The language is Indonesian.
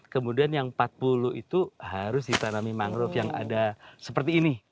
kemudian yang empat puluh itu harus ditanami mangrove yang ada seperti ini